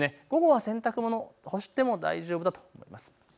午後は洗濯物、干しても大丈夫だと思います。